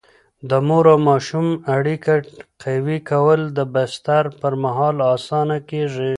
د مور او ماشوم اړیکه قوي کول د بستر پر مهال اسانه کېږي.